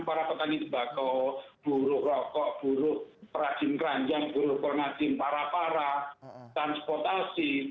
para petani debako buruk rokok buruk kerajin kranjang buruk kornasin para para transportasi